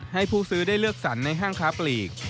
ให้ผู้ซื้อได้เลือกสรรในห้างค้าปลีก